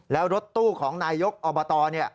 แล้วรถตู้ของนายยกอบต